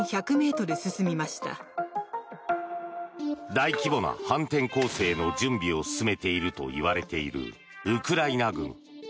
大規模な反転攻勢の準備を進めているといわれているウクライナ軍。